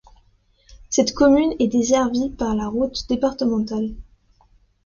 Cette commune est desservie par la route départementale.